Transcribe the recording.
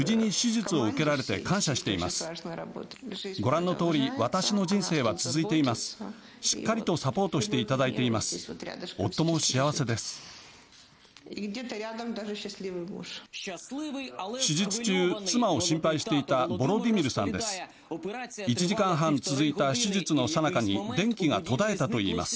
手術中、妻を心配していたヴォロディミルさんです。